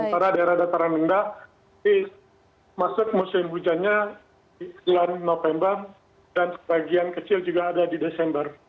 sementara daerah dataran rendah ini masuk musim hujannya di bulan november dan sebagian kecil juga ada di desember